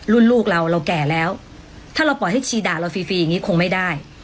ลูกเราเราแก่แล้วถ้าเราปล่อยให้ชีด่าเราฟรีฟรีอย่างนี้คงไม่ได้